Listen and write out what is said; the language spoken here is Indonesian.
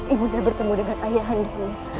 ibu nda bertemu dengan ayah nda dulu